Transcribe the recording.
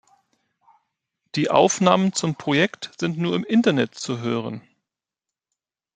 Die Aufnahmen zum Projekt sind nur im Internet zu hören.